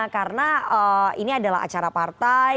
karena ini adalah acara partai